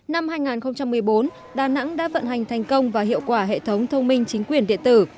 năm hai nghìn một mươi bốn đà nẵng đã vận hành thành công và hiệu quả hệ thống thông minh chính quyền điện tử